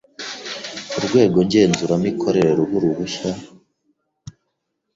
Urwego Ngenzuramikorere ruha uruhushya